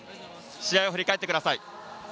試合を振り返ってください。